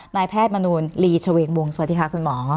นายแพทย์มนูลลีชเวงวงสวัสดีค่ะคุณหมอ